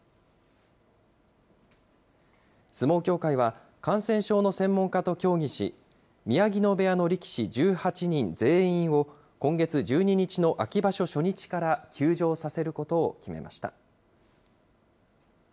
相撲協会は、感染症の専門家と協議し、宮城野部屋の力士１８人全員を今月１２日の秋場所初日から休場させることを決めました。